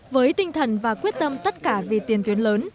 với tinh thần và quyết tâm tất cả vì tiền tuyến lớn